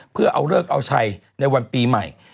เพื่อเอาเลิกเอาชัยในวันปีใหม่